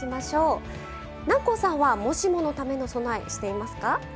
南光さんはもしものための備えしていますか？